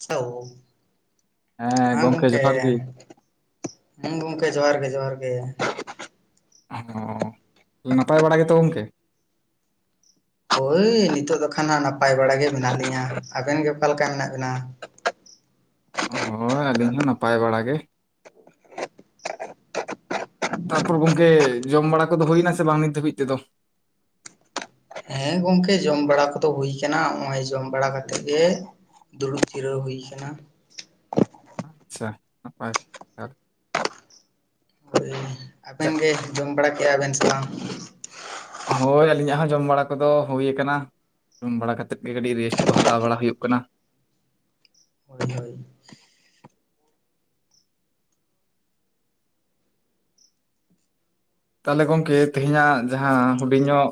ᱛᱤᱛᱳ [unintelligible] ᱦᱮᱸ ᱜᱚᱢᱠᱮ, ᱦᱮᱸ ᱜᱚᱝᱠᱮ ᱡᱚᱦᱟᱨ ᱜᱮ ᱡᱚᱦᱟᱨ ᱜᱮ᱾ ᱦᱚᱸ, ᱱᱟᱯᱟᱭ ᱵᱟᱲᱟ ᱜᱮᱛᱚ ᱜᱚᱝᱠᱮ? ᱦᱳᱭ ᱱᱤᱛᱚᱜ ᱫᱚ ᱠᱷᱟᱱ ᱦᱟᱜ ᱱᱟᱯᱟᱭ ᱵᱟᱲᱟ ᱜᱮ ᱢᱮᱱᱟᱜ ᱞᱤᱧᱟᱹ, ᱟᱵᱮᱱ ᱜᱮ ᱚᱠᱟ ᱞᱮᱠᱟ ᱢᱮᱱᱟᱜ ᱵᱮᱱᱟ? ᱦᱳᱭ ᱟᱹᱞᱤᱧ ᱦᱚᱸ ᱱᱟᱯᱟᱭ ᱵᱟᱲᱟ ᱜᱮ, ᱛᱟᱯᱚᱨ ᱜᱚᱝᱠᱮ ᱡᱚᱢ ᱵᱟᱲᱟ ᱠᱚᱫᱚ ᱦᱩᱭᱱᱟ ᱥᱮ ᱵᱟᱝ ᱱᱤᱛ ᱫᱷᱟᱹᱵᱤᱡ ᱛᱮᱫᱚ? ᱦᱮᱸ ᱜᱚᱝᱠᱮ ᱡᱚᱢ ᱵᱟᱲᱟ ᱠᱚᱫᱚ ᱦᱩᱭ ᱠᱟᱱᱟ ᱱᱚᱜ-ᱚᱭ ᱡᱚᱢ ᱵᱟᱲᱟ ᱠᱟᱛᱮᱜ ᱜᱮ, ᱫᱩᱲᱩᱵ ᱡᱤᱨᱟᱹᱣ ᱦᱩᱭ ᱟᱠᱟᱱᱟ᱾ ᱟᱪᱪᱷᱟ ᱱᱟᱯᱟᱭ [unintelligible] ᱦᱳᱭ ᱟᱵᱮᱱ ᱪᱮᱫ ᱜᱮ ᱡᱚᱢ ᱵᱟᱲᱟ ᱠᱮᱜ-ᱟ ᱵᱮᱱ ᱥᱮ? ᱦᱳᱭ ᱟᱹᱞᱤᱧᱟᱜ ᱦᱚᱸ ᱡᱚᱢ ᱵᱟᱲᱟ ᱠᱚᱫᱚ ᱦᱩᱭ ᱟᱠᱟᱱᱟ᱾ ᱡᱚᱢ ᱵᱟᱲᱟ ᱠᱟᱛᱮᱫ ᱜᱮ ᱠᱟᱹᱴᱤᱡ ᱨᱮᱥᱴ ᱠᱚ ᱦᱟᱛᱟᱣ ᱵᱟᱲᱟ ᱦᱩᱭᱩᱜ ᱠᱟᱱᱟ᱾ ᱦᱳᱭ ᱦᱳᱭ, ᱛᱟᱦᱞᱮ ᱜᱚᱝᱠᱮ ᱛᱮᱦᱮᱧᱟᱜ ᱡᱟᱦᱟᱸ ᱦᱩᱰᱤᱧ ᱧᱚᱜ,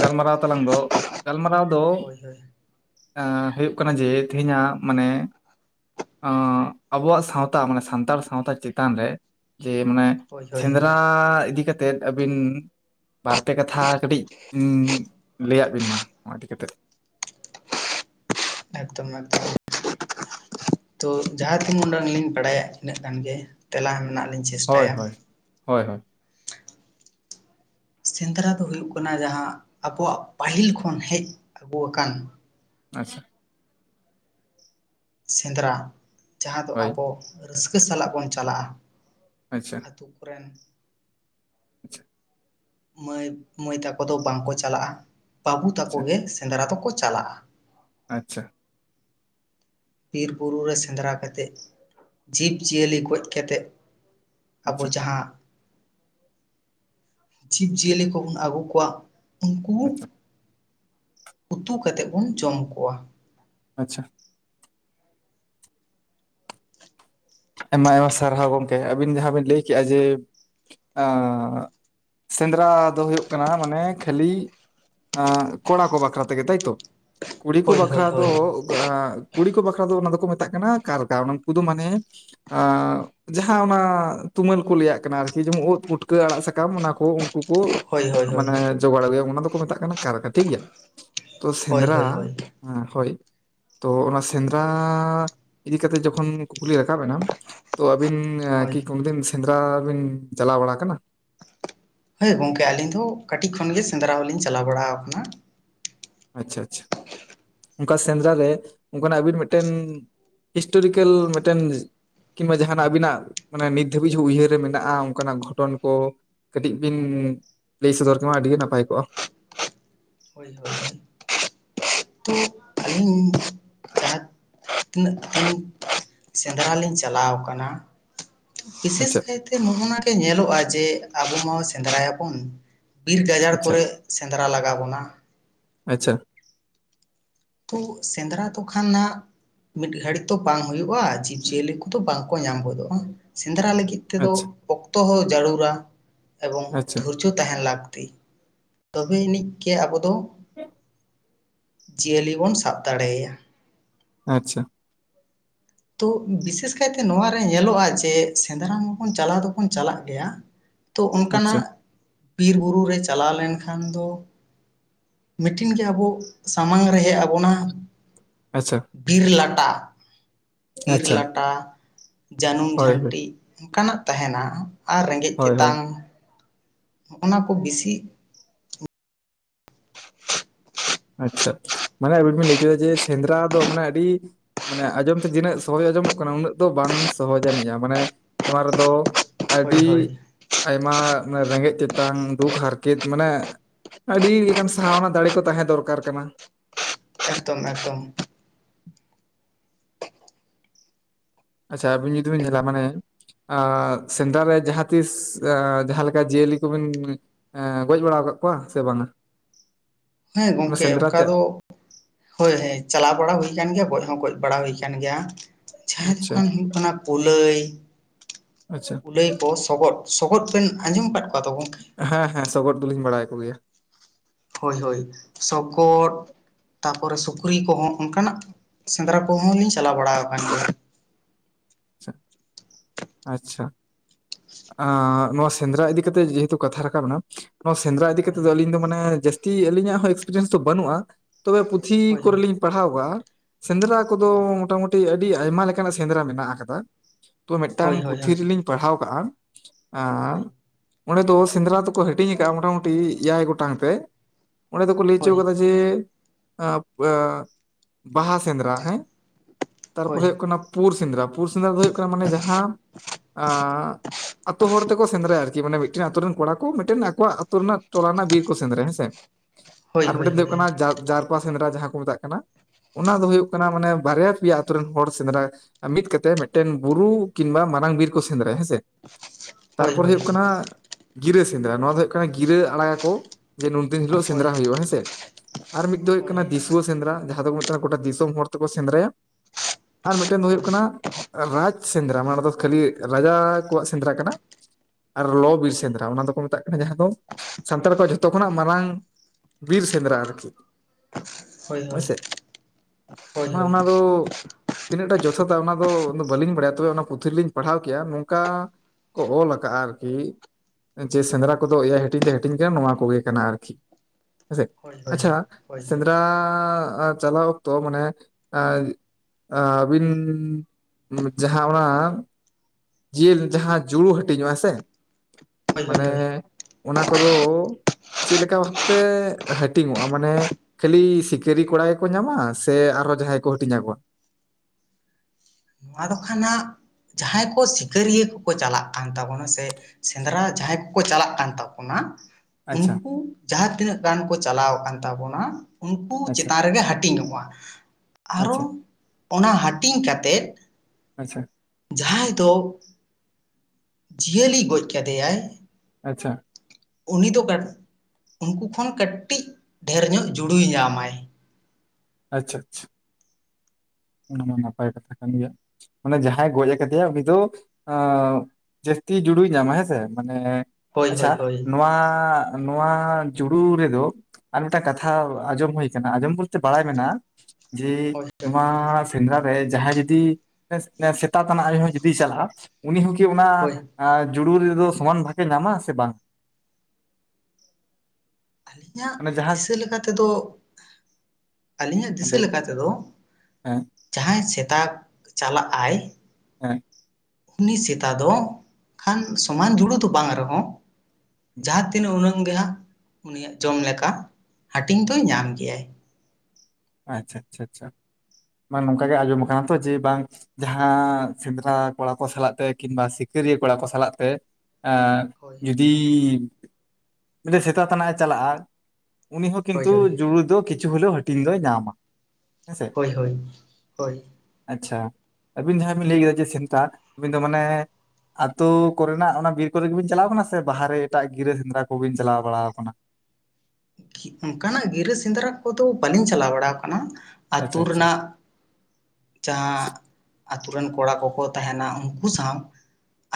ᱜᱟᱞᱢᱟᱨᱟᱣ ᱛᱟᱞᱟᱝ ᱫᱚ, ᱜᱟᱞᱢᱟᱨᱟᱣ ᱫᱚ- ᱦᱚᱭ ᱦᱚᱭ᱾ ᱦᱩᱭᱩᱜ ᱠᱟᱱᱟ ᱡᱮ ᱛᱤᱦᱤᱧ ᱟᱜ ᱢᱟᱱᱮ ᱚᱸ ᱟᱵᱚᱣᱟᱜ ᱥᱟᱶᱛᱟ ᱢᱟᱱᱮ ᱥᱟᱱᱛᱟᱲ ᱥᱟᱶᱛᱟ ᱪᱮᱛᱟᱱ ᱨᱮ, ᱡᱮ ᱢᱟᱱᱮ ᱦᱳᱭ ᱦᱳᱭ ᱥᱮᱱᱫᱨᱟ ᱤᱫᱤ ᱠᱟᱛᱮᱜ ᱟᱹᱵᱤᱱ, ᱵᱟᱨᱯᱮ ᱠᱟᱛᱷᱟ ᱠᱟᱹᱴᱤᱡ ᱩᱸ ᱞᱟᱹᱭ-ᱟᱜ ᱵᱤᱱ ᱢᱟ ᱱᱚᱣᱟ ᱤᱫᱤ ᱠᱟᱛᱮᱜ? ᱮᱠᱫᱚᱢ ᱮᱠᱫᱚᱢ ᱛᱚ ᱡᱟᱦᱟᱸ ᱛᱤᱤᱱ ᱩᱰᱝ ᱞᱤᱧ ᱵᱟᱲᱟᱭᱟ ᱛᱤᱱᱟᱹᱜ ᱜᱟᱱ ᱜᱮ, ᱛᱮᱞᱟ ᱢᱮᱱᱟᱜ ᱞᱤᱧ ᱪᱮᱥᱴᱟᱭᱟ ᱾ ᱦᱚᱭ ᱦᱚᱭ ᱾ ᱥᱮᱸᱱᱫᱨᱟ ᱫᱚ ᱦᱩᱭᱩᱜ ᱠᱟᱱᱟ ᱡᱟᱦᱟᱸ ᱟᱠᱚᱣᱟᱜ ᱯᱟᱹᱦᱤᱞ ᱠᱷᱚᱱ ᱦᱮᱡ ᱟᱹᱜᱩ ᱟᱠᱟᱱ ᱟᱪᱪᱷᱟ, ᱥᱮᱸᱱᱫᱨᱟ ᱡᱟᱦᱟᱸ ᱫᱚ ᱦᱳᱭ ᱟᱵᱚ ᱨᱟᱹᱥᱠᱟᱹ ᱥᱟᱞᱟᱜ ᱵᱚᱱ ᱪᱟᱞᱟᱜᱼᱟ᱾ ᱟᱪᱪᱷᱟ᱾ ᱟᱹᱛᱩ ᱠᱚᱨᱮᱱ [inaudible] ᱢᱟᱹᱭ ᱢᱟᱹᱭ ᱛᱟᱠᱚ ᱫᱚ ᱵᱟᱝ ᱠᱚ ᱪᱟᱞᱟᱜ-ᱟ ᱾ ᱵᱟᱹᱵᱩ ᱛᱟᱠᱚ ᱜᱮ ᱥᱮᱸᱱᱫᱨᱟ ᱫᱚᱠᱚ ᱪᱟᱞᱟᱜ-ᱟ ᱾ ᱟᱪᱪᱷᱟ᱾ ᱵᱤᱨ ᱵᱩᱨᱩ ᱨᱮ ᱥᱮᱸᱱᱫᱨᱟ ᱠᱟᱛᱮᱜ [inaudible] ᱡᱤᱵᱽ ᱡᱤᱭᱟᱹᱞᱤ ᱜᱚᱡ ᱠᱟᱛᱮᱜ ᱟᱵᱚ ᱟᱪᱪᱷᱟ ᱡᱟᱦᱟᱸ [inaudible] ᱡᱤᱵᱽ ᱡᱤᱭᱟᱹᱞᱤ ᱠᱚᱵᱚᱱ ᱟᱹᱜᱩ ᱠᱚᱣᱟ ᱩᱱᱠᱩ ᱟᱪᱪᱷᱟ [inaudible] ᱩᱛᱩ ᱠᱟᱛᱮᱜ ᱵᱚᱱ ᱡᱚᱢ ᱠᱚᱣᱟ ᱾ ᱟᱪᱪᱷᱟ᱾ ᱟᱭᱢᱟ ᱟᱭᱢᱟ ᱥᱟᱨᱦᱟᱣ ᱜᱚᱢᱠᱮ, ᱟᱹᱵᱤᱱ ᱡᱟᱦᱟᱸ ᱵᱤᱱ ᱞᱟᱹᱭ ᱠᱮᱜ-ᱟ ᱡᱮ ᱟᱻ [inaudible] ᱥᱮᱸᱫᱽᱨᱟ ᱫᱚ ᱦᱩᱭᱩᱜ ᱠᱟᱱᱟ ᱢᱟᱱᱮ ᱠᱷᱟᱹᱞᱤ ᱟᱸ ᱠᱚᱲᱟ ᱠᱚ ᱵᱟᱠᱷᱨᱟ ᱛᱮᱜᱮ ᱛᱟᱭᱛᱚ? ᱠᱩᱲᱤ ᱠᱚ ᱦᱳᱭ ᱦᱳᱭ ᱵᱟᱠᱷᱨᱟ ᱦᱳᱭ ᱫᱚ ᱟᱸ ᱠᱩᱲᱤ ᱠᱚ ᱵᱟᱠᱷᱨᱟ ᱫᱚ ᱚᱱᱟ ᱫᱚᱠᱚ ᱢᱮᱛᱟᱜ ᱠᱟᱱᱟ ᱠᱟᱨᱠᱟ, ᱩᱱᱠᱩ ᱫᱚ ᱢᱟᱱᱮ ᱟᱸᱻ ᱡᱟᱦᱟᱸ ᱚᱱᱟ ᱛᱩᱢᱟᱹᱞ ᱠᱚ ᱞᱟᱹᱭᱟᱹᱜ ᱠᱟᱱᱟ ᱟᱨᱠᱤ ᱡᱮᱢᱚᱱ ᱩᱫ ᱯᱩᱴᱠᱟᱹ ᱟᱲᱟᱜ ᱥᱟᱠᱟᱢ ᱚᱱᱟ ᱠᱩ ᱦᱳᱭ ᱦᱳᱭ [unintelligible] ᱦᱳᱭ ᱢᱟᱱᱮ ᱡᱚᱜᱟᱲ ᱟᱹᱜᱩᱭᱟ ᱚᱱᱟ ᱫᱚᱠᱚ ᱢᱮᱛᱟᱜ ᱠᱟᱱᱟ ᱠᱟᱨᱠᱟ ᱴᱷᱤᱠ ᱜᱮᱭᱟ ᱾ [inaudible] ᱛᱚ ᱦᱳᱭ ᱥᱮᱸᱫᱽᱨᱟ ᱦᱳᱭ ᱦᱳᱭ ᱦᱮᱸ ᱦᱚᱭ [inaudible] ᱛᱚ ᱚᱱᱟ ᱥᱮᱸᱱᱫᱨᱟᱻ ᱤᱫᱤ ᱠᱟᱛᱮᱜ ᱡᱚᱠᱷᱚᱱ ᱠᱩᱠᱞᱤ ᱨᱟᱠᱟᱵ ᱮᱱᱟ, ᱛᱚ ᱟᱹᱵᱤᱱ ᱦᱳᱭ ᱠᱤ ᱠᱳᱱᱳ ᱫᱤᱱ ᱥᱮᱸᱫᱽᱨᱟ ᱵᱤᱱ ᱪᱟᱞᱟᱣ ᱵᱟᱲᱟ ᱟᱠᱟᱱᱟ? ᱦᱮᱸ ᱜᱚᱝᱠᱮ ᱟᱹᱞᱤᱧ ᱫᱚ ᱠᱟᱹᱴᱤᱡ ᱠᱷᱚᱱ ᱜᱮ ᱥᱮᱸᱫᱽᱨᱟ ᱦᱚᱸᱞᱤᱧ ᱪᱟᱞᱟᱣ ᱵᱟᱲᱟ ᱟᱠᱟᱱᱟ ᱾ ᱟᱪᱪᱷᱟ ᱟᱪᱪᱷᱟ ᱾ [inaudible] ᱚᱱᱠᱟ ᱥᱮᱸᱫᱽᱨᱟ ᱨᱮ ᱚᱱᱠᱟᱱᱟᱜ ᱟᱹᱵᱤᱱ ᱢᱤᱫᱴᱮᱱ ᱦᱤᱥᱴᱨᱩᱠᱮᱞ ᱢᱤᱫᱴᱮᱱ ᱠᱤᱱᱵᱟ ᱡᱟᱦᱟᱱᱟᱜ ᱟᱵᱤᱱᱟᱜ ᱱᱤᱛ ᱫᱷᱟᱹᱵᱤᱡ ᱩᱭᱦᱟᱹᱨ ᱨᱮ ᱢᱮᱱᱟᱜ-ᱟ ᱚᱱᱠᱟᱱᱟᱜ ᱜᱷᱚᱴᱚᱱ ᱠᱚ ᱠᱟᱹᱴᱤᱡ ᱵᱤᱱ ᱞᱟᱹᱭ ᱥᱚᱫᱚᱨ ᱠᱚᱜ-ᱟ ᱟᱹᱰᱤ ᱜᱮ ᱱᱟᱯᱟᱭ ᱠᱚᱜ-ᱟ ᱾ ᱦᱳᱭ ᱦᱳᱭ ᱾ [inaudible] ᱤᱧ [inaudible] ᱛᱤᱱᱟᱹᱜ ᱟᱞᱤᱧ ᱥᱮᱸᱫᱽᱨᱟ ᱞᱤᱧ ᱪᱟᱞᱟᱣ ᱟᱠᱟᱱᱟ ᱵᱤᱥᱮᱥ ᱟᱪᱪᱷᱟ ᱠᱟᱭᱛᱮ ᱱᱚᱜ-ᱚ ᱱᱟ ᱜᱮ ᱧᱮᱞᱚᱜ-ᱟ ᱡᱮ ᱟᱵᱚ ᱦᱚ ᱥᱮᱸᱫᱽᱨᱟᱭᱟᱵᱚᱱ ᱵᱤᱨ ᱜᱟᱡᱟᱲ ᱟᱪᱪᱷᱟ ᱠᱚᱨᱮᱜ ᱥᱮᱸᱫᱽᱨᱟ ᱞᱟᱜᱟ ᱵᱚᱱᱟ᱾ ᱟᱪᱪᱷᱟ᱾ ᱛᱚ ᱥᱮᱸᱫᱽᱨᱟ ᱫᱚ ᱠᱷᱟᱱ ᱦᱟᱜ ᱢᱤᱫ ᱜᱷᱟᱹᱲᱤᱡ ᱛᱚ ᱵᱟᱝ ᱦᱩᱭᱩᱜ-ᱟ, ᱡᱤᱵᱽ ᱡᱤᱭᱟᱹᱞᱤ ᱠᱚᱫᱚ ᱵᱟᱝ ᱠᱚ ᱧᱟᱢ ᱜᱚᱫᱚᱜ-ᱟ ᱥᱮᱱᱫᱨᱟ ᱞᱟᱹᱜᱤᱫ ᱛᱮᱫᱚ ᱟᱪᱪᱷᱟ ᱚᱠᱛᱚ ᱦᱚᱸ ᱡᱟᱹᱨᱩᱲᱟ ᱮᱵᱚᱝ ᱟᱪᱪᱷᱟ ᱫᱷᱩᱨᱡᱚ ᱛᱟᱦᱮᱱ ᱞᱟᱹᱠᱛᱤ ᱾ ᱛᱚᱵᱮᱭᱟᱱᱤᱡ ᱜᱮ ᱟᱵᱚ ᱫᱚ ᱦᱮᱸ ᱾ [inaudible] ᱡᱤᱭᱟᱹᱞᱤ ᱵᱚᱱ ᱥᱟᱵ ᱫᱟᱲᱮ ᱟᱭᱟ᱾ ᱟᱪᱪᱷᱟ ᱾ ᱛᱚ ᱵᱤᱥᱮᱥ ᱠᱟᱭᱛᱮ ᱱᱚᱣᱟ ᱨᱮ ᱧᱮᱞᱚᱜ-ᱟ ᱡᱮ, ᱥᱮᱸᱫᱽᱨᱟ ᱢᱟᱵᱚᱱ ᱪᱟᱞᱟᱣ ᱫᱚᱵᱚᱱ ᱪᱟᱞᱟᱜ ᱜᱮᱭᱟ [inaudible] ᱛᱚ ᱟᱪᱪᱷᱟ ᱚᱱᱠᱟᱱᱟᱜ ᱵᱤᱨ ᱵᱩᱨᱩ ᱨᱮ ᱪᱟᱞᱟᱣ ᱞᱮᱱᱠᱷᱟᱱ ᱫᱚ [inaudible] ᱢᱤᱫᱴᱤᱱ ᱜᱮ ᱟᱵᱚ ᱥᱟᱢᱟᱝ ᱨᱮ ᱦᱮᱜ ᱟᱵᱚᱱᱟ ᱟᱪᱪᱷᱟ [inaudible] ᱵᱤᱨ ᱞᱟᱴᱟ ᱾ ᱵᱤᱨ ᱟᱪᱪᱷᱟ ᱞᱟᱴᱟ ᱡᱟᱹᱱᱩᱢ ᱦᱳᱭ ᱦᱳᱭ ᱡᱷᱟᱹᱱᱴᱤ ᱚᱱᱠᱟᱱᱟᱜ ᱛᱟᱦᱮᱱᱟ ᱾ ᱟᱨ ᱨᱮᱸᱜᱮᱡ ᱦᱳᱭ ᱦᱳᱭ ᱛᱮᱛᱟᱝ [inaudible] ᱦᱚᱸᱜ-ᱱᱟ ᱠᱚ ᱵᱤᱥᱤ ᱟᱪᱪᱷᱟ ᱾ ᱢᱟᱱᱮ ᱟᱵᱤᱱ ᱵᱤᱱ ᱞᱟᱹᱭ ᱚᱪᱚᱭ ᱮᱫᱟ ᱡᱮ ᱥᱮᱸᱫᱽᱨᱟ ᱫᱚ ᱢᱟᱱᱮ ᱟᱹᱰᱤ ᱢᱟᱱᱮ ᱟᱸᱡᱚᱢ ᱛᱮ ᱛᱤᱱᱟᱹᱜ ᱥᱚᱦᱚᱡ ᱟᱸᱡᱚᱢᱚᱜ ᱠᱟᱱᱟ ᱩᱱᱟᱹᱜ ᱫᱚ ᱵᱟᱝ ᱥᱚᱦᱚᱡ ᱟᱱᱤᱡ-ᱟ ᱢᱟᱱᱮ ᱱᱚᱣᱟ ᱨᱮᱫᱚ ᱦᱳᱭ ᱟᱰᱤ ᱦᱳᱭ ᱟᱭᱢᱟ ᱨᱮᱸᱜᱮᱡ ᱛᱮᱛᱟᱝ, ᱫᱩᱠ ᱦᱟᱨᱠᱮᱛ ᱢᱟᱱᱮ ᱟᱹᱰᱤ ᱞᱮᱠᱟᱱ ᱥᱟᱦᱟᱣᱱᱟ ᱫᱟᱲᱮ ᱠᱚ ᱛᱟᱦᱮᱸ ᱫᱚᱨᱠᱟᱨ ᱠᱟᱱᱟ᱾ ᱮᱠᱫᱚᱢ ᱮᱠᱫᱚᱢ᱾ ᱟᱪᱪᱷᱟ ᱟᱵᱤᱱ ᱡᱩᱫᱤ ᱵᱤᱱ ᱧᱮᱞᱟ ᱢᱟᱱᱮ ᱟ ᱥᱮᱸᱫᱽᱨᱟ ᱨᱮ ᱡᱟᱦᱟᱸ ᱛᱤᱥ ᱟ ᱡᱟᱦᱟᱸ ᱞᱮᱠᱟ ᱡᱤᱭᱟᱹᱞᱤ ᱠᱚᱵᱮᱱ ᱮᱸ ᱜᱚᱡ ᱵᱟᱲᱟᱣ ᱠᱟᱜ ᱠᱚᱣᱟ ᱥᱮ ᱵᱟᱝᱟ? ᱦᱮᱸ ᱚᱱᱟ ᱜᱚᱝᱠᱮ ᱥᱮᱸᱫᱽᱨᱟ ᱚᱱᱠᱟ ᱛᱮ ᱫᱚ ᱦᱳᱭ ᱦᱳᱭ ᱪᱟᱞᱟᱣ ᱵᱟᱲᱟ ᱦᱩᱭ ᱠᱟᱱ ᱜᱮᱭᱟ, ᱜᱚᱡ ᱦᱚᱸ ᱜᱚᱡ ᱵᱟᱲᱟ ᱦᱩᱭ ᱠᱟᱱ ᱜᱮᱭᱟ᱾ ᱡᱟᱦᱟᱸ ᱫᱚ ᱟᱪᱪᱷᱟ ᱠᱷᱟᱱ ᱦᱩᱭᱩᱜ ᱠᱟᱱᱟ ᱠᱩᱞᱟᱹᱭ᱾ ᱟᱪᱪᱷᱟ ᱠᱩᱞᱟᱹᱭ ᱠᱚ ᱥᱚᱜᱚᱫ, ᱥᱚᱜᱚᱫ ᱵᱮᱱ ᱟᱸᱡᱚᱢ ᱟᱠᱟᱫ ᱠᱚᱣᱟ ᱛᱚ ᱜᱚᱝᱠᱮ? ᱦᱮᱸ ᱦᱮᱸ ᱥᱚᱜᱚᱫ ᱫᱚᱞᱤᱧ ᱵᱟᱲᱟᱭ ᱠᱚᱜᱮᱭᱟ᱾ ᱦᱳᱭ ᱦᱳᱭ ᱥᱚᱠᱚᱫ ᱛᱟᱯᱚᱨᱮ ᱥᱩᱠᱨᱤ ᱠᱚᱦᱚᱸ ᱚᱱᱠᱟᱱᱟᱜ ᱥᱮᱸᱫᱽᱨᱟ ᱠᱚᱦᱚᱸ ᱞᱤᱧ ᱪᱟᱞᱟᱣ ᱵᱟᱲᱟᱣ ᱠᱟᱱ ᱜᱮᱭᱟ᱾ [inaudible] ᱟᱪᱪᱷᱟ᱾ ᱟᱸ ᱱᱚᱣᱟ ᱥᱮᱸᱫᱽᱨᱟ ᱤᱫᱤ ᱠᱟᱛᱮᱜ ᱡᱮᱦᱮᱛᱩ ᱠᱟᱛᱷᱟ ᱨᱟᱠᱟᱵ ᱮᱱᱟ᱾ ᱱᱚᱣᱟ ᱥᱮᱸᱫᱽᱨᱟ ᱤᱫᱤ ᱦᱳᱭ ᱠᱟᱛᱮ ᱫᱚ ᱦᱳᱭ ᱟᱹᱞᱤᱧ ᱫᱚ ᱢᱟᱱᱮ ᱡᱟᱹᱥᱛᱤ ᱟᱹᱞᱤᱧᱟᱜ ᱦᱚᱸ ᱮᱠᱥᱯᱮᱨᱤᱭᱮᱱᱥ ᱫᱚ ᱵᱟᱹᱱᱩᱜ-ᱟ᱾ ᱛᱚᱵᱮ ᱯᱩᱛᱷᱤ ᱦᱳᱭ ᱠᱚᱨᱮ ᱞᱤᱧ ᱯᱟᱲᱦᱟᱣ ᱠᱟᱜ-ᱟ᱾ ᱥᱮᱸᱫᱽᱨᱟ ᱠᱚᱫᱚ ᱢᱚᱴᱟᱢᱩᱴ ᱴᱤ ᱟᱹᱰᱤ ᱟᱭᱢᱟ ᱞᱮᱠᱟᱱᱟᱜ ᱥᱮᱸᱫᱽᱨᱟ ᱢᱮᱱᱟᱜ ᱟᱠᱟᱫᱟ ᱛᱚ ᱢᱤᱫᱴᱟᱱ ᱦᱳᱭ ᱦᱳᱭ ᱦᱳᱭ ᱯᱩᱛᱷᱤ ᱦᱳᱭ ᱨᱮᱞᱤᱧ ᱯᱟᱲᱦᱟᱣ ᱠᱟᱜ-ᱟ᱾ ᱦᱳᱭ ᱟᱸ ᱚᱸᱰᱮ ᱫᱚ ᱥᱮᱸᱫᱽᱨᱟ ᱛᱚᱠᱚ ᱦᱟᱹᱴᱤᱧ ᱟᱠᱟᱜ-ᱟ ᱢᱳᱴᱟᱢᱩᱴᱤ ᱮᱭᱟᱭ ᱜᱚᱴᱟᱝ ᱛᱮ᱾ ᱚᱸᱰᱮ ᱫᱚᱠᱚ ᱞᱟᱹᱭᱪᱚᱣ ᱦᱳᱭ ᱠᱟᱫᱟ ᱡᱮ ᱵᱟᱦᱟ ᱥᱮᱸᱫᱽᱨᱟ ᱦᱮᱸ ᱛᱟᱨᱯᱚᱨᱮ ᱦᱳᱭ ᱦᱩᱭᱩᱜ ᱠᱟᱱᱟ ᱯᱩᱨ ᱥᱮᱸᱫᱽᱨᱟ᱾ ᱯᱩᱨ ᱥᱮᱸᱫᱽᱨᱟ ᱫᱚ ᱦᱩᱭᱩᱜ ᱠᱟᱱᱟ ᱢᱟᱱᱮ ᱡᱟᱦᱟᱸᱢ ᱟᱸ ᱟᱛᱳ ᱦᱚᱲ ᱛᱮᱠᱚ ᱥᱮᱸᱫᱽᱨᱟᱭᱟ ᱟᱨᱠᱤ᱾ ᱢᱮ ᱢᱟᱱᱮ ᱢᱤᱫᱴᱮᱱ ᱟᱛᱳ ᱨᱮᱱ ᱠᱚᱲᱟ ᱠᱚ ᱢᱤᱴᱮᱱ ᱟᱠᱚᱣᱟᱜ ᱟᱹᱛᱩ ᱨᱮᱱᱟᱜ ᱴᱚᱞᱟ ᱨᱮᱱᱟᱜ ᱵᱤᱨ ᱠᱚ ᱥᱮᱸᱫᱽᱨᱟᱭᱟ ᱦᱮᱸ ᱥᱮ᱾ ᱦᱳᱭ ᱟᱨ ᱦᱳᱭ ᱦᱳᱭ ᱢᱤᱫᱴᱮᱱ ᱫᱚ ᱦᱩᱭᱩᱜ ᱦᱳᱭ ᱠᱟᱱᱟ ᱡᱟ-ᱡᱟᱨᱯᱟ ᱥᱮᱸᱫᱽᱨᱟ ᱡᱟᱦᱟᱸ ᱠᱚ ᱢᱮᱛᱟᱜ ᱠᱟᱱᱟ᱾ ᱚᱱᱟ ᱫᱚ ᱦᱩᱭᱩᱜ ᱠᱟᱱᱟ ᱢᱟᱱᱮ ᱵᱟᱨᱭᱟ ᱯᱮᱭᱟ ᱟᱛᱩ ᱨᱮᱱ ᱦᱚᱲ ᱥᱮᱸᱫᱽᱨᱟ ᱢᱤᱫ ᱠᱟᱛᱮ ᱛᱮ ᱢᱤᱫᱴᱮᱱ ᱵᱩᱨᱩ ᱠᱤᱱᱵᱟ ᱢᱟᱨᱟᱝ ᱵᱤᱨ ᱠᱚ ᱥᱮᱸᱫᱽᱨᱟᱭᱟ ᱦᱮᱸᱥᱮ᱾ ᱦᱳᱭ ᱦᱳᱭ ᱛᱟᱨᱯᱚᱨ ᱦᱳᱭ ᱦᱩᱭᱩᱜ ᱠᱟᱱᱟ ᱜᱤᱨᱟᱹ ᱥᱮᱸᱫᱽᱨᱟ ᱱᱚᱣᱟ ᱫᱚ ᱦᱩᱭᱩᱜ ᱠᱟᱱᱟ ᱜᱤᱨᱟᱹ ᱟᱲᱟᱜᱟ ᱠᱚ᱾ ᱡᱮ ᱱᱩᱱᱫᱤᱱ ᱦᱤᱞᱳᱜ ᱦᱳᱭ ᱦᱳᱭ ᱦᱳᱭ ᱦᱳᱭ ᱥᱮᱸᱫᱽᱨᱟ ᱦᱩᱭᱩᱜ-ᱟ ᱦᱮᱸᱥᱮ ᱟᱨ ᱢᱤᱫ ᱫᱚ ᱦᱩᱭᱩᱜ ᱦᱳᱭ ᱦᱳᱭ ᱦᱳᱭ ᱦᱳᱭ ᱦᱳᱭ ᱦᱳᱭ ᱠᱟᱱᱟ ᱫᱤᱥᱣᱟᱹ ᱥᱮᱸᱫᱽᱨᱟ ᱡᱟᱦᱟᱸ ᱫᱚᱵᱚ ᱛᱟᱞᱦᱮ ᱜᱚᱴᱟ ᱫᱤᱥᱚᱢ ᱦᱚᱲ ᱛᱮᱠᱚ ᱥᱮᱸᱫᱽᱨᱟᱭᱟ ᱟᱨ ᱢᱤᱫᱴᱮᱱ ᱫᱚ ᱦᱩᱭᱩᱜ ᱠᱟᱱᱟ ᱨᱟᱡᱽ ᱥᱮᱸᱫᱽᱨᱟ᱾ ᱢᱟᱱᱮ ᱚᱱᱟ ᱫᱚ ᱠᱷᱟᱹᱞᱤ ᱨᱟᱡᱟ ᱠᱚᱣᱟᱜ ᱥᱮᱸᱫᱽᱨᱟ ᱠᱟᱱᱟ ᱟᱨ ᱞᱚᱵ ᱵᱤᱨ ᱥᱮᱸᱫᱽᱨᱟ᱾ ᱚᱱᱟ ᱫᱚᱠᱚ ᱢᱮᱛᱟᱜ ᱠᱟᱱᱟ ᱡᱟᱦᱟᱸ ᱫᱚ ᱥᱟᱱᱛᱟᱲ ᱠᱚᱣᱟᱜ ᱡᱷᱚᱛᱚ ᱠᱷᱚᱱᱟᱜ ᱢᱟᱨᱟᱝ ᱵᱤᱨ ᱥᱮᱸᱫᱽᱨᱟ ᱟᱨᱠᱤ᱾ ᱦᱳᱭᱥᱮ᱾ ᱦᱳᱭ ᱢᱟᱱᱮ ᱚᱱᱟ ᱫᱚ ᱛᱤᱱᱟᱹᱜ ᱴᱟᱜ ᱡᱚᱛᱷᱟᱛᱟ ᱚᱱᱟ ᱫᱚ ᱚᱱᱟ ᱫᱚ ᱵᱟᱹᱞᱤᱧ ᱵᱟᱲᱟᱭᱟ ᱛᱚᱵᱮ ᱚᱱᱟ ᱯᱩᱛᱷᱤ ᱨᱤᱞᱤᱧ ᱯᱟᱲᱦᱟᱣ ᱠᱮᱭᱟ ᱱᱚᱝᱠᱟ ᱠᱚ ᱚᱞ ᱟᱠᱟᱜ-ᱟ ᱟᱨᱠᱤ᱾ ᱡᱮ ᱥᱮᱸᱫᱽᱨᱟ ᱠᱚᱫᱚ ᱮᱭᱟᱭ ᱦᱟᱹᱴᱤᱧ ᱛᱮ ᱦᱟᱹᱴᱤᱧ ᱠᱟᱱᱟ ᱱᱚᱣᱟ ᱠᱚᱜᱮ ᱠᱟᱱᱟ ᱟᱨᱠᱤ᱾ ᱦᱮᱸᱥᱮ᱾ ᱦᱳᱭ ᱟᱪᱪᱷᱟ ᱦᱳᱭ ᱥᱮᱱᱫᱨᱟ ᱪᱟᱞᱟᱣ ᱚᱠᱛᱚ ᱢᱟᱱᱮ ᱟ ᱟᱵᱤᱱ ᱡᱟᱦᱟᱸ ᱚᱱᱟ ᱡᱤᱞ ᱡᱟᱦᱟᱸ ᱡᱩᱲᱩ ᱦᱟᱹᱴᱤᱧᱚᱜ-ᱟ ᱥᱮ ᱢᱟᱱᱮ ᱦᱳᱭ ᱚᱱᱟ ᱠᱚᱫᱚ ᱪᱮᱞ ᱞᱮᱠᱟ ᱵᱷᱟᱵᱯᱮ ᱦᱟᱹᱴᱤᱝᱚᱜ-ᱟ ᱢᱟᱱᱮ ᱠᱷᱟᱹᱞᱤ ᱥᱤᱠᱟᱹᱨᱤ ᱠᱚᱲᱟ ᱜᱮᱠᱚ ᱧᱟᱢᱟ ᱥᱮ ᱟᱨᱦᱚᱸ ᱡᱟᱦᱟᱸᱭ ᱠᱚ ᱦᱟᱹᱴᱤᱧ ᱟᱠᱚᱣᱟ? ᱟᱫᱚ ᱠᱷᱟᱱ ᱦᱟᱸᱜ ᱡᱟᱦᱟᱸᱭ ᱠᱚ ᱥᱤᱠᱟᱹᱨᱤᱭᱟᱹ ᱠᱚᱠᱚ ᱪᱟᱞᱟᱜ ᱠᱟᱱ ᱛᱟᱵᱚᱱᱟ ᱥᱮ ᱥᱮᱸᱫᱽᱨᱟ ᱡᱟᱦᱟᱸᱭ ᱠᱚᱠᱚ ᱪᱟᱞᱟᱜ ᱠᱟᱱ ᱛᱟᱵᱚᱱᱟ ᱟᱪᱪᱷᱟ ᱩᱱᱠᱩ ᱡᱟᱦᱟ ᱛᱤᱱᱟᱹᱜ ᱜᱟᱱ ᱠᱚ ᱪᱟᱞᱟᱣ ᱟᱠᱟᱱ ᱛᱟᱵᱚᱱᱟ, ᱩᱱᱠᱩ ᱟᱪᱪᱷᱟ ᱪᱮᱛᱟᱱ ᱨᱮᱜᱮ ᱦᱟᱹᱴᱤᱧ ᱚᱜᱼᱟ ᱾ᱟᱨᱚ ᱟᱪᱪᱷᱟ ᱚᱱᱟ ᱦᱟᱹᱴᱤᱧ ᱠᱟᱛᱮ, ᱟᱪᱪᱷᱟ, ᱡᱟᱦᱟᱸᱭ ᱫᱚ, ᱡᱤᱭᱟᱹᱞᱤ ᱜᱚᱡ ᱠᱮᱫᱮᱭᱟᱭ, ᱟᱪᱪᱷᱟ, ᱩᱱᱤ ᱫᱚ ᱩᱱᱠᱩ ᱠᱷᱚᱱ ᱠᱟᱹᱴᱤᱡ ᱰᱷᱮᱨ ᱧᱚᱜ ᱡᱩᱲᱩᱭ ᱧᱟᱢᱟᱭ᱾ ᱟᱪᱪᱷᱟ ᱟᱪᱪᱷᱟ, ᱚᱱᱟ ᱢᱟ ᱱᱟᱯᱟᱭ ᱠᱟᱛᱷᱟ ᱠᱟᱱ ᱜᱮᱭᱟ᱾ ᱢᱟᱱᱮ ᱡᱟᱦᱟᱸᱭ ᱜᱚᱡ ᱠᱟᱫᱮᱭᱟ ᱩᱱᱤ ᱫᱚ, ᱡᱟᱹᱥᱛᱤ ᱡᱩᱲᱩᱭ ᱧᱟᱢᱟ ᱦᱮᱸᱥᱮ, ᱢᱟᱱᱮ ᱦᱳᱭ ᱟᱪᱪᱷᱟ, ᱦᱳᱭ ᱦᱳᱭ ᱱᱚᱣᱟ ᱱᱚᱣᱟ ᱡᱩᱲᱩ ᱨᱮᱫᱚ ᱟᱨ ᱢᱤᱫᱴᱟᱝ ᱠᱟᱛᱷᱟ ᱟᱸᱡᱚᱢ ᱦᱚᱭ ᱟᱠᱟᱱᱟ ᱟᱸᱡᱚᱢ ᱵᱚᱞᱛᱮ ᱵᱟᱲᱟᱭ ᱢᱮᱱᱟᱜᱼᱟ᱾ ᱡᱮ ᱦᱳᱭ ᱱᱚᱣᱟ ᱥᱮᱸᱫᱽᱨᱟ ᱨᱮ ᱡᱟᱦᱟᱸᱭ ᱡᱩᱫᱤ ᱥᱮᱛᱟ ᱛᱟᱱᱟᱜ ᱦᱚᱭ ᱡᱩᱫᱤ ᱪᱟᱞᱟᱜᱼᱟ ᱾ᱩᱱᱤ ᱦᱚᱸᱠᱤ ᱚᱱᱟ ᱦᱳᱭ ᱚᱱᱟ ᱡᱩᱲᱩ ᱨᱮᱫᱚ ᱥᱚᱢᱟᱱ ᱵᱷᱟᱜᱮ ᱧᱟᱢᱟ ᱥᱮ ᱵᱟᱝ? ᱟᱞᱤᱧᱟᱜ ᱚᱱᱮ ᱡᱟᱦᱟᱸ ᱫᱤᱥᱟᱹ ᱞᱮᱠᱟ ᱛᱮᱫᱚ ᱟᱞᱤᱧ ᱟᱜ ᱫᱤᱥᱟᱹ ᱞᱟᱹᱭ ᱵᱮᱱ ᱞᱮᱠᱟ ᱛᱮᱫᱚ ᱦᱮᱸ ᱡᱟᱦᱟᱸᱭ ᱥᱮᱛᱟ ᱪᱟᱞᱟᱜ ᱟᱭ, ᱦᱮᱸ [inaudible] ᱩᱱᱤ ᱥᱮᱛᱟ ᱫᱚ, ᱠᱷᱟᱱ ᱥᱚᱢᱟᱱ ᱡᱩᱲᱩ ᱫᱚ ᱵᱟᱝ ᱨᱮᱦᱚᱸ ᱡᱟᱦᱟ ᱛᱤᱱᱟᱹᱜ ᱩᱱᱟᱹᱜ, ᱜᱮ ᱦᱟᱸᱜ ᱩᱱᱤᱭᱟᱜ ᱡᱚᱢ ᱞᱮᱠᱟ ᱦᱟᱹᱴᱤᱧ ᱫᱚᱭ ᱧᱟᱢ ᱜᱮᱭᱟᱭ᱾ ᱟᱪᱪᱷᱟ ᱟᱪᱪᱷᱟ ᱟᱪᱪᱷᱟ, ᱱᱚᱝᱠᱟ ᱜᱮ ᱟᱡᱚᱢ ᱟᱠᱟᱱᱟ ᱛᱚ ᱡᱮ ᱵᱟᱝ, ᱡᱟᱦᱟ ᱥᱮᱸᱫᱽᱨᱟ ᱠᱚᱲᱟ ᱠᱚ ᱥᱟᱞᱟᱜ ᱛᱮ ᱠᱤ ᱵᱟᱝ ᱥᱤᱠᱟᱹᱨᱤᱭᱟᱹ ᱠᱚᱲᱟ ᱠᱚ ᱥᱟᱞᱟᱜ ᱛᱮ, ᱮ ᱦᱳᱭ ᱡᱩᱫᱤ, ᱢᱮᱫᱴᱟᱝ ᱥᱮᱛᱟ ᱛᱟᱱᱟᱜ ᱮ ᱪᱟᱞᱟᱜᱼᱟ, ᱩᱱᱤ ᱦᱚᱸ ᱦᱳᱭ ᱠᱤᱱᱛᱩ ᱦᱳᱭ ᱡᱩᱲᱩ ᱫᱚ ᱠᱤᱪᱷᱩ ᱦᱚᱞᱚ ᱦᱟᱹᱴᱤᱧ ᱫᱚᱭ ᱧᱟᱢᱟ᱾ ᱦᱮᱸᱥᱮ ᱦᱳᱭ ᱦᱳᱭ ᱦᱳᱭ, ᱟᱪᱪᱷᱟ, ᱟᱹᱵᱤᱱ ᱡᱟᱦᱟ ᱵᱤᱱ ᱞᱟᱹᱭ ᱠᱮᱫᱟ ᱡᱮ ᱥᱮᱱᱛᱟ, ᱟᱵᱤᱱ ᱫᱚ ᱢᱟᱱᱮ ᱟᱛᱳ ᱠᱚᱨᱮᱱᱟᱜ ᱚᱱᱟ ᱵᱤᱨ ᱠᱚᱨᱮ ᱵᱤᱱ ᱪᱟᱞᱟᱣ ᱟᱠᱟᱱᱟ, ᱥᱮ ᱵᱟᱦᱨᱮ ᱮᱴᱟᱜ ᱜᱤᱨᱟᱹ ᱥᱮᱸᱫᱽᱨᱟ ᱠᱚᱵᱤᱱ ᱪᱟᱞᱟᱣ ᱵᱟᱲᱟ ᱟᱠᱟᱱᱟ? ᱚᱱᱠᱟᱱᱟᱜ ᱜᱤᱨᱟᱹ ᱥᱮᱸᱫᱽᱨᱟ ᱠᱚᱫᱚ ᱵᱟᱹᱞᱤᱧ ᱪᱟᱞᱟᱣ ᱵᱟᱲᱟ ᱟᱠᱟᱱᱟ, ᱟᱹᱛᱩ ᱟᱪᱪᱷᱟ ᱟᱪᱪᱷᱟ ᱨᱮᱱᱟᱜ, ᱡᱟᱦᱟ ᱟᱪᱪᱷᱟ ᱟᱛᱩ ᱨᱮᱱ ᱠᱚᱲᱟ ᱠᱚᱠᱚ ᱛᱟᱦᱮᱱᱟ ᱩᱱᱠᱩ ᱥᱟᱶ,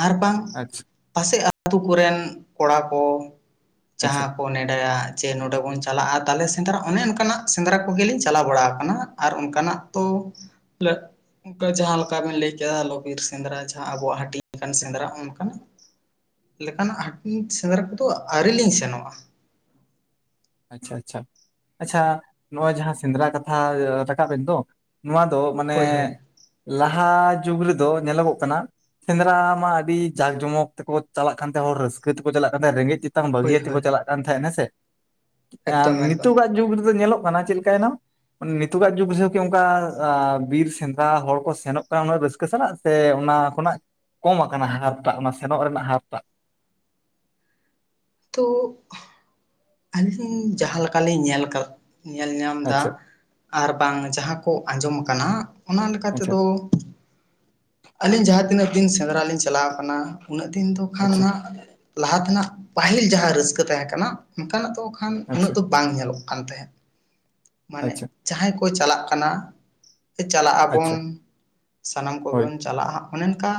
ᱟᱨ ᱵᱟᱝᱟᱝ ᱟᱪᱪᱷᱟ, ᱯᱟᱥᱮᱡ ᱟᱹᱛᱩ ᱠᱚᱨᱮᱱ ᱠᱚᱲᱟ ᱠᱚ ᱟᱪᱪᱷᱟ ᱡᱟᱦᱟ ᱠᱚ ᱱᱮᱰᱟᱭᱟ, ᱡᱮ ᱱᱚᱸᱰᱮ ᱵᱚᱱ ᱪᱟᱞᱟᱜᱼᱟ ᱛᱟᱦᱚᱞᱮ ᱥᱮᱸᱫᱽᱨᱟ ᱚᱱᱮ ᱚᱱᱠᱟᱱᱟᱜ ᱥᱮᱸᱫᱽᱨᱟ ᱠᱚᱜᱮᱞᱤᱧ ᱪᱟᱞᱟᱣ ᱵᱟᱲᱟ ᱠᱟᱱᱟ᱾ ᱟᱨ ᱚᱱᱠᱟᱱᱟᱜ ᱛᱚ [unintelligible] ᱚᱝᱠᱟ ᱡᱟᱦᱟᱸ ᱞᱮᱠᱟᱵᱤᱱ ᱞᱟᱹᱭ ᱠᱮᱫᱟ ᱞᱚᱵᱤᱨ ᱥᱮᱸᱫᱽᱨᱟ ᱡᱟᱦᱟᱸ ᱟᱵᱚᱣᱟᱜ ᱦᱟᱹᱴᱤᱧ ᱥᱮᱸᱫᱽᱨᱟ ᱚᱱᱠᱟᱱᱟᱜ ᱞᱮᱠᱟᱱᱟᱜ ᱦᱟᱹᱴᱤᱧ ᱥᱮᱸᱫᱽᱨᱟ ᱠᱚᱫᱚ ᱟᱹᱣᱨᱤ ᱞᱤᱧ ᱥᱮᱱᱚᱜᱼᱟ᱾ ᱟᱪᱪᱷᱟ ᱟᱪᱪᱷᱟ ᱟᱪᱪᱷᱟ, ᱱᱚᱜ ᱚᱭ ᱡᱟᱦᱟ ᱥᱮᱸᱫᱽᱨᱟ ᱠᱟᱛᱷᱟ ᱨᱟᱠᱟᱵ ᱮᱫ ᱫᱚ, ᱱᱚᱣᱟ ᱫᱚ ᱢᱟᱱᱮ ᱦᱳᱭ ᱦᱳᱭ ᱞᱟᱦᱟ ᱡᱩᱜᱽ ᱨᱮᱫᱚ ᱧᱮᱞᱚᱜᱚᱜ ᱠᱟᱱᱟ, ᱥᱮᱸᱫᱽᱨᱟ ᱢᱟ ᱟᱹᱰᱤ ᱡᱟᱠ ᱡᱚᱢᱚᱠ ᱛᱮᱠᱚ ᱪᱟᱞᱟᱜ ᱠᱟᱱ ᱛᱟᱦᱮᱸ ᱦᱚᱲ ᱨᱟᱹᱥᱠᱟᱹ ᱛᱮᱠᱚ ᱪᱟᱞᱟᱜ ᱠᱟᱱ ᱛᱟᱦᱮ ᱨᱮᱸᱜᱮᱡ ᱛᱮ, ᱛᱟᱝ ᱦᱳᱭ ᱵᱟᱹᱜᱤᱭᱟ ᱛᱮᱠᱚ ᱦᱳᱭ ᱪᱟᱞᱟᱜ ᱠᱟᱱ ᱛᱟᱦᱮᱜ ᱟ ᱥᱮ, ᱟᱨ ᱮᱠᱫᱚᱢ ᱮᱠᱫᱚᱢ ᱱᱤᱛᱚᱜᱟᱜ ᱡᱩᱜᱽ ᱨᱮᱫᱚ ᱧᱮᱞᱚᱜ ᱠᱟᱱᱟ ᱪᱮᱫ ᱞᱮᱠᱟᱭ ᱱᱟᱢ, ᱱᱤᱛᱚᱜ ᱟᱜ ᱡᱩᱜᱽ ᱨᱮᱠᱤ ᱚᱱᱠᱟ ᱵᱤᱨ ᱥᱮᱸᱫᱽᱨᱟ ᱦᱚᱲ ᱠᱚ ᱥᱮᱱᱚᱜ ᱠᱟᱱᱟ ᱩᱱᱟᱹᱜ ᱨᱟᱹᱥᱠᱟᱹ ᱥᱟᱞᱟᱜ, ᱛᱮ ᱥᱮ ᱚᱱᱟ ᱠᱷᱚᱱᱟᱜ ᱠᱚᱢ ᱟᱠᱟᱱᱟ ᱦᱟᱨ ᱴᱟᱜ ᱚᱱᱟ ᱥᱮᱱᱚᱜ ᱨᱮᱱᱟᱜ ᱦᱟᱨ ᱴᱟᱜ᱿ ᱛᱳᱜ ᱟᱹᱞᱤᱧ ᱡᱟᱦᱟ ᱞᱮᱠᱟᱞᱤᱧ ᱧᱮᱞ ᱠᱟᱫ ᱧᱮᱞ ᱧᱟᱢ ᱫᱟ, ᱟᱪᱪᱷᱟ ᱟᱨ ᱵᱟᱝ ᱡᱟᱦᱟ ᱠᱚ ᱟᱡᱚᱢ ᱠᱟᱱᱟ ᱚᱱᱟ ᱞᱮᱠᱟ ᱟᱪᱪᱷᱟ ᱛᱮᱫᱚ, ᱟᱞᱤᱧ ᱡᱟᱦᱟ ᱛᱤᱱᱟᱹᱜ ᱫᱤᱱ ᱥᱮᱸᱫᱽᱨᱟ ᱞᱤᱧ ᱪᱟᱞᱟᱣ ᱠᱟᱱᱟ ᱩᱱᱟᱹᱜ ᱫᱤᱱ ᱫᱚ ᱠᱷᱟᱱ ᱟᱪᱪᱷᱟ ᱦᱟᱸ, ᱞᱟᱦᱟ ᱛᱮᱱᱟᱜ ᱯᱟᱹᱦᱤᱞ ᱡᱟᱦᱟ ᱨᱟᱹᱥᱠᱟᱹ ᱛᱟᱦᱮᱸ ᱠᱟᱱᱟ ᱚᱱᱠᱟᱱᱟᱜ ᱫᱚ ᱠᱷᱟᱱ ᱩᱱᱟᱹᱜ ᱟᱪᱪᱷᱟ ᱫᱚ ᱵᱟᱝ ᱧᱮᱞᱚᱜ ᱠᱟᱱ ᱛᱟᱦᱮᱸᱫ᱾ ᱢᱟᱱᱮ ᱟᱪᱪᱷᱟ ᱡᱟᱦᱟᱸᱭ ᱠᱚ ᱪᱟᱞᱟᱜ ᱠᱟᱱᱟ ᱪᱟᱞᱟᱜ ᱟᱵᱚᱱ ᱟᱪᱪᱷᱟ ᱥᱟᱱᱟᱢ ᱠᱚᱜᱮ ᱦᱳᱭ ᱵᱚᱱ ᱪᱟᱞᱟᱜᱼᱟ ᱦᱟᱸᱜ᱾ ᱚᱱᱮ ᱚᱱᱠᱟ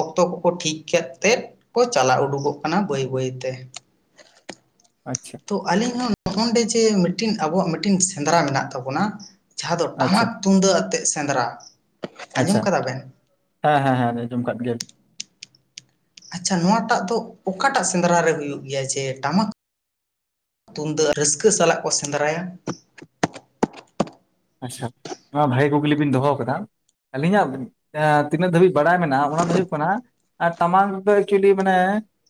ᱚᱠᱛᱚ ᱠᱚᱠᱚ ᱴᱷᱤᱠ ᱠᱮᱜ ᱛᱮ ᱠᱚ ᱪᱟᱞᱟᱣ ᱩᱰᱩᱠᱚᱜ ᱠᱟᱱᱟ ᱵᱟᱹᱭ ᱵᱟᱹᱭ ᱛᱮ᱾ ᱟᱪᱪᱷᱟ᱾ ᱛᱚ ᱟᱞᱤᱧ ᱦᱚᱸ ᱱᱚᱜ ᱚᱱᱰᱮ ᱡᱮ ᱢᱤᱫᱴᱮᱱ ᱟᱵᱚᱣᱟᱜ ᱢᱤᱫᱴᱮᱱ ᱥᱮᱸᱫᱽᱨᱟ ᱢᱮᱱᱟᱜ ᱛᱟᱵᱚᱱᱟ ᱡᱟᱦᱟ ᱫᱚ ᱟᱪᱪᱷᱟ ᱴᱟᱢᱟᱠ ᱛᱩᱢᱫᱟᱜ ᱟᱛᱮᱜ ᱥᱮᱸᱫᱽᱨᱟ᱾ ᱟᱸᱡᱚᱢ ᱟᱪᱪᱷᱟ ᱠᱟᱫᱟ ᱵᱮᱱ ᱦᱮᱸ ᱦᱮᱸ ᱦᱮᱸ ᱟᱸᱡᱚᱢ ᱟᱠᱟᱫ ᱜᱮᱭᱟᱹᱧ᱾ ᱟᱪᱪᱷᱟ ᱱᱚᱣᱟᱴᱟᱜ ᱫᱚ ᱚᱠᱟᱴᱟᱜ ᱥᱮᱸᱫᱽᱨᱟ ᱨᱮ ᱦᱩᱭᱩᱜ ᱜᱮᱭᱟ ᱡᱮ ᱴᱟᱢᱟᱠ ᱛᱩᱢᱫᱟᱜ ᱨᱟᱹᱥᱠᱟᱹ ᱥᱟᱞᱟᱜ ᱠᱚ ᱥᱮᱸᱫᱽᱨᱟᱭᱟ᱾ ᱟᱪᱪᱷᱟ ᱱᱚᱣᱟ ᱵᱷᱟᱜᱮ ᱠᱩᱠᱞᱤ ᱵᱤᱱ ᱫᱚᱦᱚ ᱟᱠᱟᱫᱟ ᱟᱹᱞᱤᱧ ᱦᱟᱜ ᱮᱻ ᱛᱤᱱᱟᱹᱜ ᱫᱷᱟᱹᱵᱤᱡ ᱵᱟᱲᱟᱭ ᱢᱮᱱᱟᱜᱼᱟ, ᱚᱱᱟ ᱫᱚ ᱦᱩᱭᱩᱜ ᱠᱟᱱᱟ ᱴᱟᱢᱟᱠ ᱨᱮᱫᱚ ᱮᱠᱪᱩᱭᱮᱞᱤ ᱢᱟᱱᱮ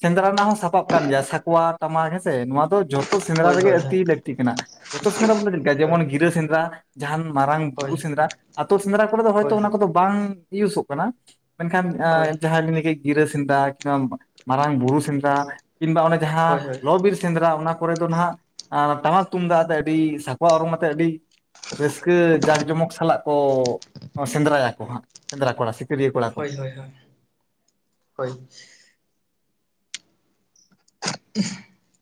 ᱥᱮᱸᱫᱽᱨᱟ ᱨᱮᱱᱟᱜ ᱦᱚᱸ ᱥᱟᱯᱟᱵ ᱠᱟᱱ ᱜᱮᱭᱟ᱾ ᱥᱟᱠᱣᱟ, ᱴᱟᱢᱟᱠ ᱦᱮᱸᱥᱮ ᱱᱚᱣᱟ ᱫᱚ ᱡᱚᱛᱚ ᱡᱚᱛᱚ ᱥᱮᱸᱫᱽᱨᱟ ᱦᱳᱭ ᱨᱮᱜᱮ ᱦᱳᱭ ᱟᱹᱰᱤ ᱞᱟᱹᱠᱛᱤ ᱠᱟᱱᱟ᱾ ᱡᱚᱛᱚ ᱥᱮᱸᱫᱽᱨᱟ ᱵᱚᱞᱮ ᱪᱮᱫ ᱞᱮᱠᱟ ᱦᱳᱭ ᱦᱳᱭ ᱡᱮᱢᱚᱱ ᱜᱤᱨᱟᱹ ᱥᱮᱸᱫᱽᱨᱟ ᱡᱟᱦᱟᱱ ᱢᱟᱨᱟᱝ ᱦᱳᱭ ᱵᱩᱨᱩ ᱥᱮᱸᱫᱽᱨᱟ ᱟᱹᱛᱳ ᱥᱮᱸᱫᱽᱨᱟ ᱠᱚᱨᱮ ᱫᱚ ᱦᱚᱭᱛᱳ ᱦᱳᱭ ᱚᱱᱟ ᱠᱚᱫᱚ ᱵᱟᱝ ᱤᱭᱩᱥᱚᱜ ᱠᱟᱱᱟ᱾ ᱢᱮᱱᱠᱷᱟᱱ ᱦᱳᱭ ᱡᱟᱦᱟᱸᱭ [unintelligible] ᱜᱤᱨᱟᱹ ᱥᱮᱸᱫᱽᱨᱟ ᱠᱤᱢᱵᱟ ᱢᱟᱨᱟᱝ ᱵᱩᱨᱩ ᱥᱮᱸᱫᱽᱨᱟ ᱠᱤᱝᱵᱟ ᱚᱱᱮ ᱦᱳᱭ ᱦᱳᱭ ᱦᱳᱭ ᱡᱟᱦᱟᱸ ᱞᱚ ᱵᱤᱨ ᱥᱮᱸᱫᱽᱨᱟ ᱚᱱᱟ ᱠᱚᱨᱮ ᱫᱚ ᱱᱟᱦᱟᱜ ᱴᱟᱢᱟᱠ ᱛᱩᱢᱫᱟᱜ ᱟᱛᱮ ᱟᱹᱰᱤ ᱥᱟᱠᱣᱟ ᱚᱨᱚᱝ ᱟᱛᱮᱜ ᱟᱹᱰᱤ ᱨᱟᱹᱥᱠᱟᱹ ᱡᱟᱠ ᱡᱚᱢᱚᱠ ᱥᱟᱞᱟᱜ ᱠᱚ ᱥᱮᱸᱫᱽᱨᱟᱭᱟ ᱠᱚ ᱦᱟᱸᱜ ᱥᱮᱸᱫᱽᱨᱟ ᱠᱚᱲᱟ ᱥᱤᱠᱟᱹᱨᱤᱭᱟᱹ ᱠᱚᱲᱟ᱾ ᱠᱚ ᱦᱳᱭ ᱦᱳᱭ ᱦᱳᱭ, ᱦᱳᱭ᱾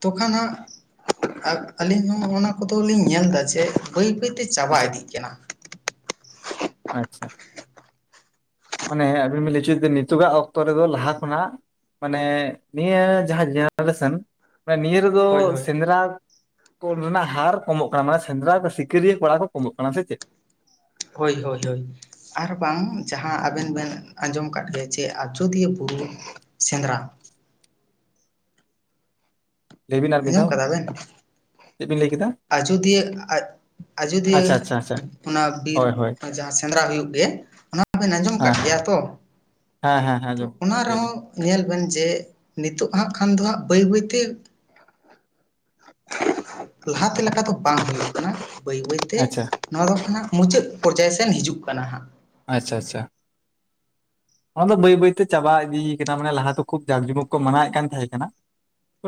ᱛᱚ ᱠᱷᱟᱱ ᱦᱟᱜ ᱟᱹᱞᱤᱧ ᱦᱚᱸ ᱚᱱᱟ ᱠᱚ ᱫᱚ ᱞᱤᱧ ᱧᱮᱞ ᱫᱟ ᱡᱮ ᱵᱟᱹᱭ ᱵᱟᱹᱭᱛᱮ ᱪᱟᱵᱟ ᱦᱮᱸᱥᱮ ᱤᱫᱤᱜ ᱠᱟᱱᱟ᱾ ᱟᱪᱪᱷᱟ᱾ ᱢᱟᱱᱮ ᱟᱵᱤᱱ ᱵᱤᱱ ᱞᱟᱹᱭ ᱦᱚᱪᱚᱭᱮᱫᱟ ᱱᱤᱛᱚᱜᱼᱟᱜ ᱚᱠᱛᱚ ᱨᱮᱫᱚ ᱞᱟᱦᱟ ᱠᱷᱚᱱᱟᱜ ᱢᱟᱱᱮ ᱱᱤᱭᱟᱹ ᱡᱟᱦᱟᱸ ᱡᱮᱱᱟᱨᱮᱥᱮᱱ ᱢᱟᱱᱮ ᱱᱤᱭᱟᱹ ᱨᱮᱫᱚ ᱦᱳᱭ ᱦᱳᱭ ᱥᱮᱸᱫᱽᱨᱟ ᱠᱚ ᱨᱮᱱᱟᱜ ᱦᱟᱨ ᱠᱚᱢᱚᱜ ᱠᱟᱱᱟ, ᱢᱟᱱᱮ ᱥᱮᱸᱫᱽᱨᱟ ᱠᱚ ᱥᱤᱠᱟᱹᱨᱤᱭᱟᱹ ᱠᱚᱲᱟ ᱠᱚ ᱠᱚᱢᱚᱜ ᱠᱟᱱᱟ᱾ ᱥᱮ ᱪᱮᱫ? ᱦᱳᱭ ᱦᱳᱭ ᱦᱳᱭ᱾ ᱟᱨ ᱵᱟᱝ ᱡᱟᱦᱟᱸ ᱟᱵᱮᱱ ᱵᱮᱱ ᱟᱸᱡᱚᱢ ᱟᱠᱟᱫ ᱜᱮᱭᱟ ᱡᱮ ᱟᱡᱳᱫᱤᱭᱟᱹ ᱵᱩᱨᱩ ᱥᱮᱸᱫᱽᱨᱟ᱾ ᱞᱟᱹᱭ ᱵᱤᱱ ᱟᱨ ᱢᱤᱫ ᱟᱸᱡᱚᱢ ᱫᱷᱟᱣ ᱠᱟᱫᱟ ᱵᱮᱱ? ᱪᱮᱫ ᱵᱤᱱ ᱞᱟᱹᱭ ᱠᱮᱫᱟ ᱟᱡᱳᱫᱤᱭᱟᱹ ᱟᱡ ᱟᱪᱪᱷᱟ ᱟᱪᱷᱟ ᱟᱪᱷᱟ᱾ ᱚᱱᱟ ᱵᱤᱨ ᱡᱟᱦᱟᱸ ᱥᱮᱸᱫᱽᱨᱟ ᱦᱩᱭᱩᱜ ᱜᱮ ᱚᱱᱟ ᱵᱮᱱ ᱟᱸᱡᱚᱢ ᱟᱠᱟᱫ ᱦᱮᱸ ᱜᱮᱭᱟ ᱛᱚ? ᱦᱮᱸ ᱦᱮᱸ ᱦᱮᱸ ᱟᱸᱡᱚᱢ ᱛᱚ ᱚᱱᱟ ᱠᱟᱜ ᱜᱮᱭᱟᱞᱤᱧ ᱨᱮᱦᱚᱸ ᱧᱮᱞ ᱵᱮᱱ ᱡᱮ ᱱᱤᱛᱚᱜ ᱦᱟᱸᱜ ᱠᱷᱟᱱ ᱫᱚ ᱦᱟᱸᱜ ᱵᱟᱹᱭ ᱵᱟᱹᱭᱛᱮ ᱞᱟᱦᱟᱛᱮ ᱞᱮᱠᱟ ᱫᱚ ᱵᱟᱝ ᱦᱩᱭᱩᱜ ᱠᱟᱱᱟ᱾ ᱵᱟᱹᱭ ᱵᱟᱹᱭᱛᱮ ᱟᱪᱪᱷᱟ ᱱᱚᱣᱟ ᱫᱚ ᱠᱷᱟᱱ ᱦᱟᱸᱜ ᱢᱩᱪᱟᱹᱫ ᱯᱚᱨᱡᱟᱭ ᱥᱮᱱ ᱦᱤᱡᱩᱜ ᱠᱟᱱᱟ ᱦᱟᱸᱜ᱾ ᱟᱪᱪᱷᱟ ᱟᱪᱪᱷᱟ᱾ ᱚᱱᱟ ᱫᱚ ᱵᱟᱹᱭ ᱵᱟᱹᱭᱛᱮ ᱪᱟᱵᱟ ᱤᱫᱤᱭ ᱠᱟᱱᱟ᱾ ᱢᱟᱱᱮ ᱞᱟᱦᱟᱛᱮ ᱠᱷᱩᱵ ᱡᱟᱠ ᱡᱚᱢᱚᱠ ᱠᱚ ᱢᱟᱱᱟᱣᱮᱫ ᱠᱟᱱ ᱛᱟᱦᱮᱸ ᱠᱟᱱᱟ᱾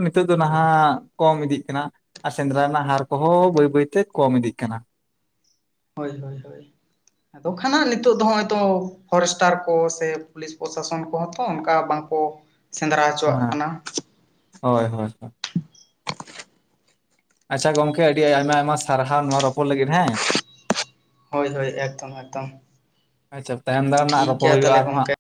ᱱᱤᱛᱚᱜ ᱫᱚ ᱦᱳᱭ ᱦᱳᱭ ᱱᱟᱦᱟᱜ ᱠᱚᱢ ᱤᱫᱤᱜ ᱠᱟᱱᱟ, ᱟᱨ ᱥᱮᱸᱫᱽᱨᱟ ᱨᱮᱱᱟᱜ ᱦᱟᱨ ᱠᱚᱦᱚᱸ ᱵᱟᱹᱭ ᱵᱟᱹᱭ ᱛᱮ ᱠᱚᱢ ᱤᱫᱤᱜ ᱠᱟᱱᱟ᱾ ᱦᱳᱭ ᱦᱳᱭ ᱦᱳᱭ᱾ [inaudible] ᱟᱫᱚ ᱠᱷᱟᱱ ᱦᱟᱸᱜ ᱱᱤᱛᱚᱜ ᱫᱚ ᱦᱚᱜᱼᱚᱭ ᱛᱚ ᱯᱷᱚᱨᱮᱥᱴᱟᱨ ᱠᱚ ᱥᱮ ᱯᱩᱞᱤᱥ ᱯᱨᱚᱥᱟᱥᱚᱱ ᱠᱚᱦᱚᱸ ᱛᱚ ᱚᱱᱠᱟ ᱵᱟᱝᱠᱚ ᱥᱮᱸᱫᱽᱨᱟ ᱦᱚᱪᱚᱣᱟᱜ ᱦᱮᱸ ᱠᱟᱱᱟ᱾ ᱦᱳᱭ ᱦᱳᱭ ᱦᱳᱭ᱾ ᱟᱪᱪᱷᱟ ᱜᱚᱝᱠᱮ ᱟᱹᱰᱤ ᱟᱭᱢᱟ ᱟᱭᱢᱟ ᱥᱟᱨᱦᱟᱣ ᱱᱚᱣᱟ ᱨᱚᱯᱚᱲ ᱞᱟᱹᱜᱤᱫ ᱦᱮᱸ᱾ ᱦᱳᱭ ᱦᱳᱭ ᱮᱠᱫᱚᱢ ᱮᱠᱫᱚᱢ᱾ ᱟᱪᱪᱷᱟ ᱛᱟᱭᱚᱢ ᱫᱟᱨᱟᱢ ᱱᱟᱜ ᱴᱷᱤᱠ ᱨᱚᱯᱚᱲ ᱜᱮᱭᱟ ᱦᱩᱭᱩᱜᱼᱟ ᱛᱟᱦᱚᱞᱮ ᱟᱨᱦᱚᱸ ᱦᱟᱸᱜ᱾ ᱜᱚᱝᱠᱮ